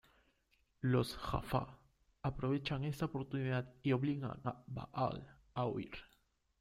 Los Jaffa aprovechan esta oportunidad y obligan a Ba'al a huir.